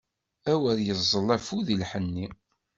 Awer iẓẓel afud i lḥenni!